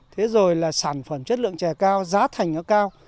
thế rồi là sản phẩm chất lượng trẻ cao giá thành nó cao